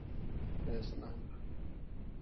اسنپ